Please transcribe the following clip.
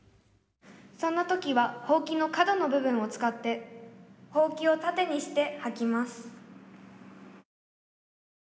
そんなときはほうきの角の部分を使ってほうきをたてにしてはきます」。